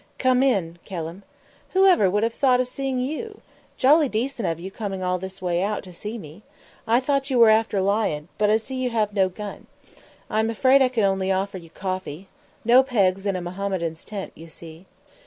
"Come in, Kelham. Who ever would have thought of seeing you! Jolly decent of you coming all this way out to see me. I thought you were after lion, but I see you have no gun. I'm afraid I can only offer you coffee. No pegs in a Mohammedan's tent, you see."